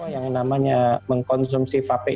yang namanya mengkonsumsi produk airborne